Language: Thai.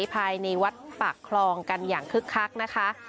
ภายในวัดปากคลองกันอย่างคึกคักนะคะ